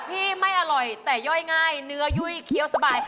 ไม่อร่อยแต่ย่อยง่ายเนื้อยุ่ยเคี้ยวสบาย